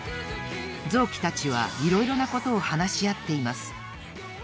ぞうきたちはいろいろなことをはなしあっています。